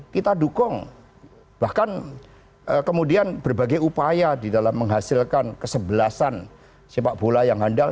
kita dukung bahkan kemudian berbagai upaya di dalam menghasilkan kesebelasan sepak bola yang handal